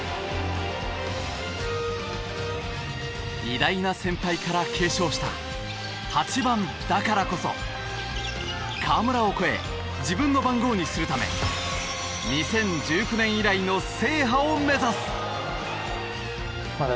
偉大な先輩から継承した８番だからこそ河村を超え自分の番号にするため２０１９年以来の制覇を目指す！